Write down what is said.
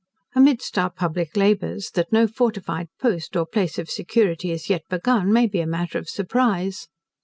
Amidst our public labours, that no fortified post, or place of security, is yet begun, may be a matter of surprise.